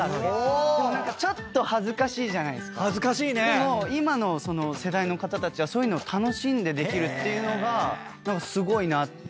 でも今の世代の方たちはそういうのを楽しんでできるっていうのがすごいなっていう。